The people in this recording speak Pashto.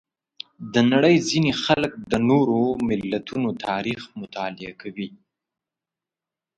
د نړۍ ځینې خلک د نورو ملتونو تاریخ مطالعه کوي.